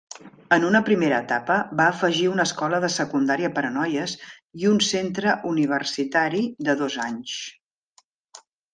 En una primera etapa, va afegir una escola de secundària per a noies i un centre universitari de dos anys.